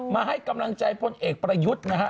มาให้กำลังใจพลเอกประยุทธ์นะฮะ